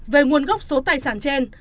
về nguồn gốc số tài sản trên